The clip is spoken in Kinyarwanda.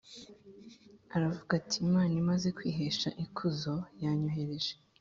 aravuga ati Imana imaze kwihesha ikuzom yanyohereje